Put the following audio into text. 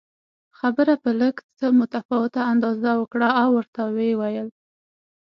خبره په لږ څه متفاوت انداز وکړه او ورته ویې ویل